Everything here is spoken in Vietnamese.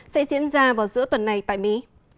sẽ diễn ra vào giữa tuần này tại mỹ